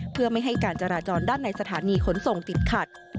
เพื่อไม่ให้การจราจรด้านในสถานีขนส่งติดขัด